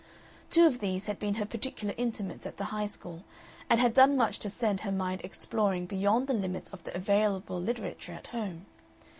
Two of these had been her particular intimates at the High School, and had done much to send her mind exploring beyond the limits of the available literature at home.